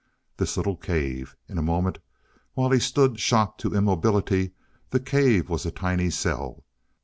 This little cave! In a moment while he stood shocked into immobility, the cave was a tiny cell.